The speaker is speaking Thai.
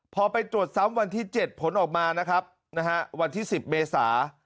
พอไปตรวจซ้ำวันที่เจ็ดผลออกมานะครับนะฮะวันที่สิบเมษา